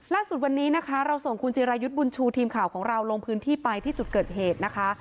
ล่าสุดวันนี้นะคะเราส่งคุณจิรายุทธ์บุญชูทีมข่าวของเราลงพื้นที่ไปที่จุดเกิดเหตุนะคะ